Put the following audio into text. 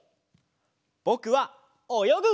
ぼくはおよぐ！